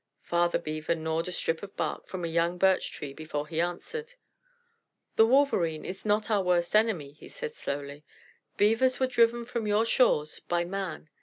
Father Beaver gnawed a strip of bark from a young birch tree before he answered. "The Wolverene is not our worst enemy," he said slowly. "Beavers were driven from your shores by Man.